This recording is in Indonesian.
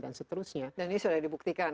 dan ini sudah dibuktikan